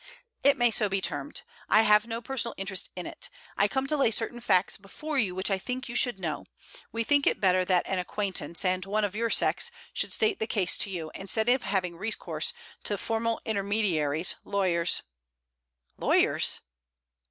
'It may be so termed. I have no personal interest in it. I come to lay certain facts before you which I think you should know. We think it better that an acquaintance, and one of your sex, should state the case to you, instead of having recourse to formal intermediaries, lawyers ' 'Lawyers?'